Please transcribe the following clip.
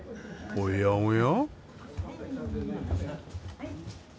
おやおや？